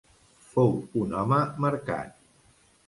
Fou un home marcat.